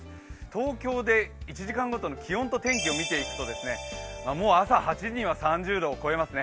東京で１時間ごとの気温と天気を見ていくともう朝８時には３０度を超えますね。